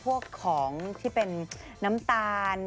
พวกของที่เป็นน้ำตาล